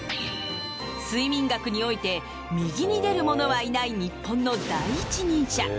睡眠学において右に出る者はいない日本の第一人者。